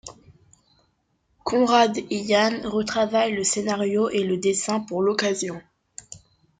Conrad et Yann retravaillent le scénario et le dessin pour l'occasion.